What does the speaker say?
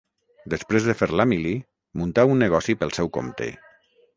Després de fer la mili muntà un negoci pel seu compte.